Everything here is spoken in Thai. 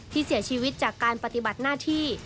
ที่เสียชีวิตจากการปฏิบัติหน้าที่